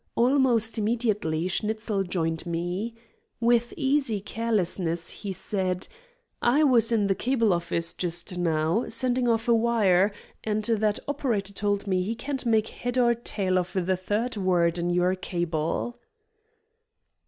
Almost immediately Schnitzel joined me. With easy carelessness he said: "I was in the cable office just now, sending off a wire, and that operator told me he can't make head or tail of the third word in your cable."